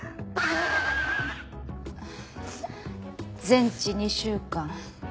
全治２週間。